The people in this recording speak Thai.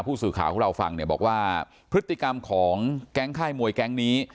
ผู้สื่อข่าวของเราฟังเนี่ยบอกว่าพฤติกรรมของแก๊งค่ายมวยแก๊งนี้